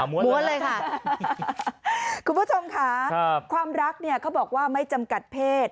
ม้วนเลยค่ะคุณผู้ชมค่ะความรักเนี่ยเขาบอกว่าไม่จำกัดเพศ